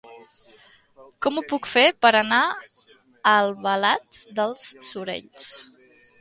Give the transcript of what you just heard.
Com ho puc fer per anar a Albalat dels Sorells?